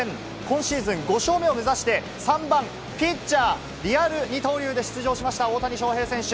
シーズン５勝目を目指して３番・ピッチャー、リアル二刀流で出場しました、大谷翔平選手。